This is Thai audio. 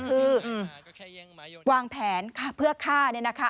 คือวางแผนเพื่อฆ่าเนี่ยนะคะ